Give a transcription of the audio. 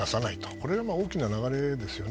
これは、大きな流れですよね。